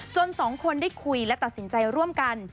สองคนได้คุยและตัดสินใจร่วมกัน